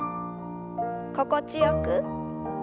心地よく。